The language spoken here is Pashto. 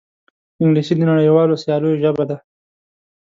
انګلیسي د نړیوالو سیالیو ژبه ده